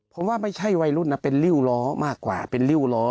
ผมว่าไม่ใช่วัยรุ่นนะเป็นริ้วล้อมากกว่าเป็นริ้วล้อ